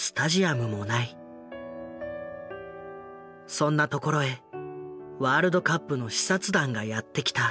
そんなところへワールドカップの視察団がやって来た。